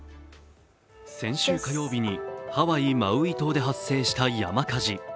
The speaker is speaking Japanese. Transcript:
先週火曜日にハワイ・マウイ島で発生した山火事。